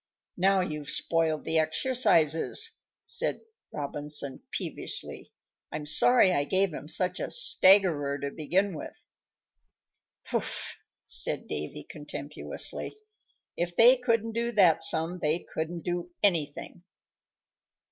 "Now you've spoiled the exercises," said Robinson, peevishly. "I'm sorry I gave 'em such a staggerer to begin with." "Pooh!" said Davy, contemptuously. "If they couldn't do that sum they couldn't do anything."